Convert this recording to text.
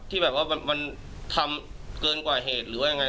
ที่แบบว่ามันทำเกินกว่าเหตุหรือว่ายังไง